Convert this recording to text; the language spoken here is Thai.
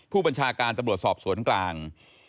ผู้บัญชาการตำรวจสอบสวนกลาง